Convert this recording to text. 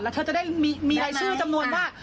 แล้วเธอจะได้มีรายชื่อจำนวนว่า